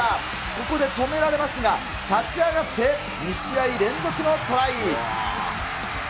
ここで止められますが、立ち上がって、２試合連続のトライ。